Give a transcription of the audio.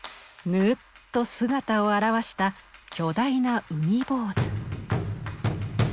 ぬうっと姿を現した巨大な海坊主。